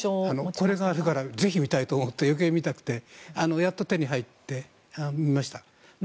これがぜひ見たいと思って余計見たくてやっと手に入って、見ました。